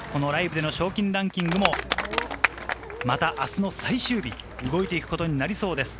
賞金ランキングもまた明日の最終日、動いていくことになりそうです。